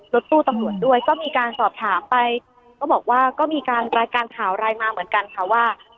รถตู้ตำรวจด้วยก็มีการสอบถามไปก็บอกว่าก็มีการรายการข่าวรายมาเหมือนกันค่ะว่า